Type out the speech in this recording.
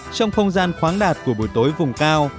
trong không gian khoáng đạt của buổi tối vùng cao